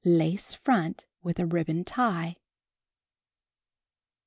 Lace front with a ribbon tie.